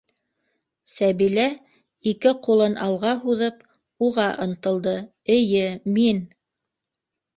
- Сәбилә, ике ҡулын алға һуҙып, уға ынтылды, - эйе, мин...